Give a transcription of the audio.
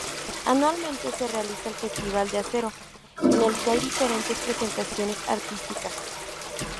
Anualmente se realiza el Festival del Acero, en el que hay diferentes presentaciones artísticas.